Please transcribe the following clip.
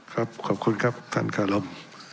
ครับขอบคุณครับท่านขาลม